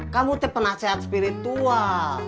kamu te penasehat spiritual